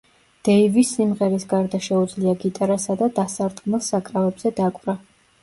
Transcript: დეივისს სიმღერის გარდა შეუძლია გიტარასა და დასარტყმელ საკრავებზე დაკვრა.